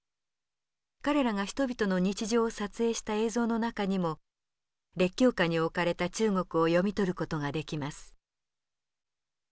彼らが人々の日常を撮影した映像の中にも列強下に置かれた中国を読み取る事ができます。